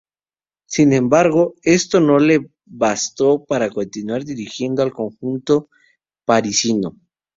Sin embargo, esto no le bastó para continuar dirigiendo al conjunto parisino.